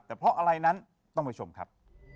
แต่เพราะอะไรนั้นต้องไปชมครับ